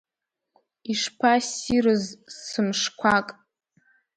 Ишԥассирыз сымшқәак!